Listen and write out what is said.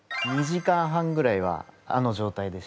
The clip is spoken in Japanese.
２時間半ぐらいはあの状態でして。